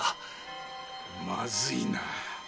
まずいな。